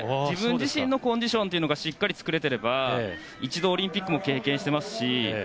自分自身のコンディションがしっかり作れていれば一度、オリンピックも経験していますし